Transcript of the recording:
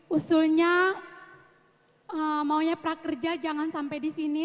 usulnya maunya prakerja jangan sampai di sini